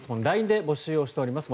ＬＩＮＥで募集をしております。